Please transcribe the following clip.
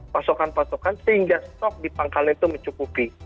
pasokan pasokan sehingga stok di pangkalan itu mencukupi